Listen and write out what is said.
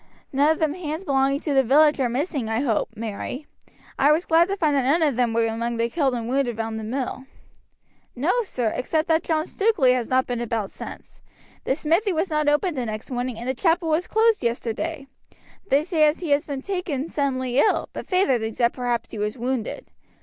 "None of the hands belonging to the village are missing, I hope, Mary. I was glad to find that none of them were among the killed and wounded round the mill." "No, sir, except that John Stukeley has not been about since. The smithy was not opened the next morning and the chapel was closed yesterday. They say as he has been taken suddenly ill, but feyther thinks that perhaps he was wounded.